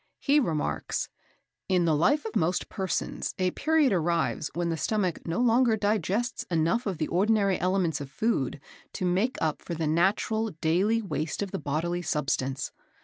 He remarks: "In the life of most persons a period arrives when the stomach no longer digests enough of the ordinary elements of food to make up for the natural daily waste of the bodily substance.